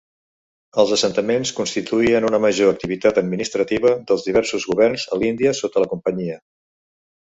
Els assentaments constituïen una major activitat administrativa dels diversos governs a l'Índia sota la Companyia.